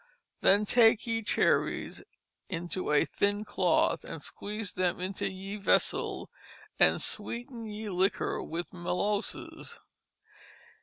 Then take ye Cherrys into a thin Cloth and squeeze them into ye Vessell, & sweeten ye Liquor with Melosses.